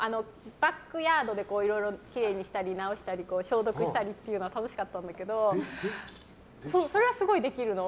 バックヤードでいろいろきれいにしたり直したり消毒したりっていうのは楽しかったんだけどそれはすごいできるの。